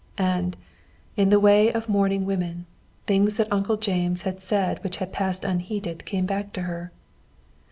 And, in the way of mourning women, things that Uncle James had said which had passed unheeded came back to her.